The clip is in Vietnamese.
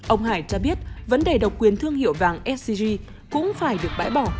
ông hải cho biết vấn đề độc quyền thương hiệu vàng sg cũng phải được bãi bỏ